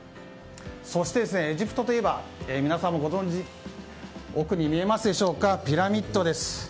そして、エジプトといえば皆さんもご存じ奥に見えますでしょうかピラミッドです。